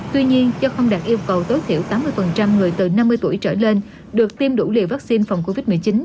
tuy nhiên do không đạt yêu cầu tối thiểu tám mươi người từ năm mươi tuổi trở lên được tiêm đủ liều vaccine phòng covid một mươi chín